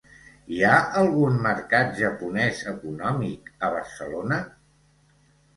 Hi ha algun mercat japonès econòmic a Barcelona?